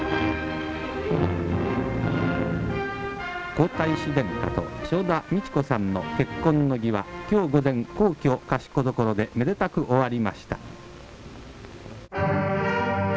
皇太子殿下と正田美智子さんの結婚の儀は今日午前皇居賢所でめでたく終わりました。